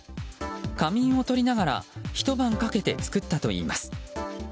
仮眠をとりながらひと晩かけて作ったといいます。